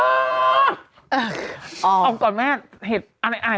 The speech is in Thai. เอาออกก่อนแม่เหตุอาย